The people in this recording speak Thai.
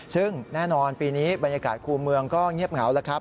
ซึ่งแน่นอนปีนี้บรรยากาศคู่เมืองก็เงียบเหงาแล้วครับ